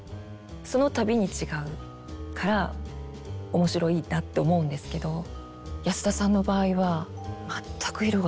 その度に違うから面白いなって思うんですけど安田さんの場合は全く色がなかった。